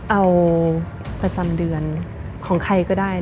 เอาประจำเดือนของใครก็ได้